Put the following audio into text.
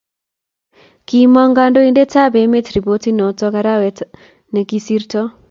Kiimong kandoindet ab ememt ripotit noto arawet ne kisirtoi